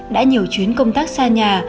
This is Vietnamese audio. đã nhiều chuyến công tác xa nhà